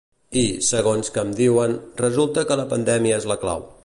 I, segons que em diuen, resulta que la pandèmia és la clau.